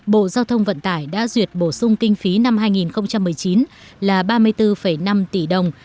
bộ giao thông vận tải đã duyệt bổ sung kinh phí năm hai nghìn một mươi chín là ba mươi bốn năm tỷ đồng